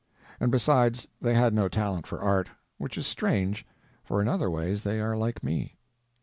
And, besides, they had no talent for art, which is strange, for in other ways they are like me.